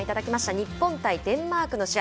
日本対デンマークの試合。